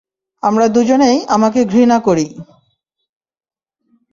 আমরা দুজনেই আমাকে ঘৃণা করি।